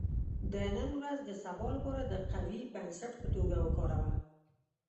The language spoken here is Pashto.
• د نن ورځ د سبا لپاره د قوي بنسټ په توګه وکاروه.